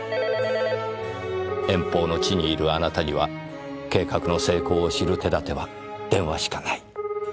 遠方の地にいるあなたには計画の成功を知る手立ては電話しかない。